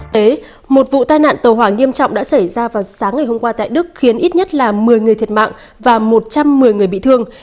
vụ tai nạn tàu hỏa nghiêm trọng đã xảy ra vào sáng ngày hôm qua tại đức khiến ít nhất là một mươi người thiệt mạng và một trăm một mươi người bị thương